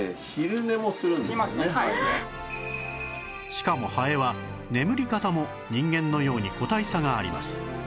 しかもハエは眠り方も人間のように個体差があります